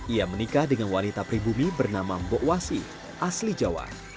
ia menikah dengan wanita pribumi bernama mbok wasi asli jawa